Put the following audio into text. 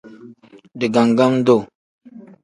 Digangam-duu.